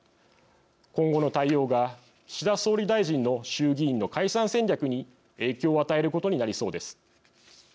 今後の対応が岸田総理大臣の衆議院の解散戦略に影響を与えることになりそうです。